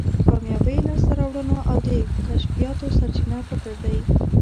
کامیابی، لاسته راوړنو او کشفیاتو سرچینه فکر دی.